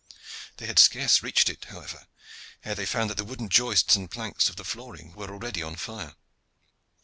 They had scarce reached it, however, ere they found that the wooden joists and planks of the flooring were already on fire.